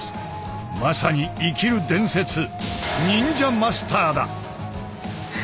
まさに生きる伝説忍者マスターだ。